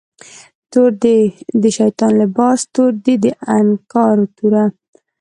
تور دی د شیطان لباس، تور دی د انکار توره